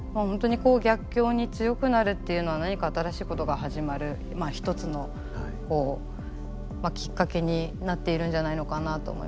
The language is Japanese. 本当に逆境に強くなるっていうのは何か新しいことが始まるまあ１つのきっかけになっているんじゃないのかなと思います。